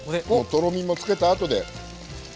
とろみもつけた後で。